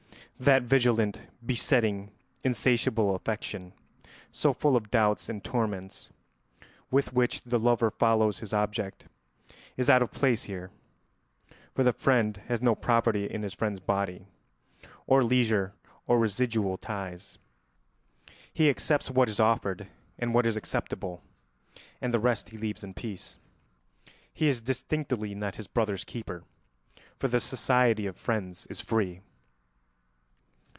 That vigilant, besetting, insatiable affection, so full of doubts and torments, with which the lover follows his object, is out of place here; for the friend has no property in his friend's body or leisure or residual ties; he accepts what is offered and what is acceptable, and the rest he leaves in peace. He is distinctly not his brother's keeper, for the society of friends is free.